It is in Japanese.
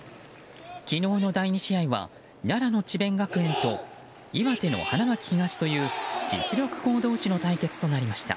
昨日の第２試合は奈良の智弁学園と岩手の花巻東という実力校同士の対決となりました。